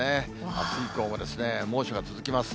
あす以降も猛暑が続きます。